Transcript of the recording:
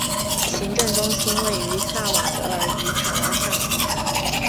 行政中心位于萨瓦德尔与塔拉萨。